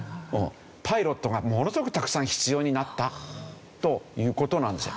パイロットがものすごくたくさん必要になったという事なんですよ。